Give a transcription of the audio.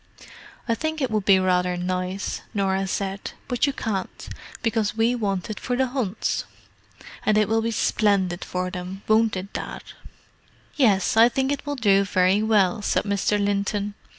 "I think it would be rather nice," Norah said. "But you can't, because we want it for the Hunts. And it will be splendid for them, won't it, Dad?" "Yes, I think it will do very well," said Mr. Linton.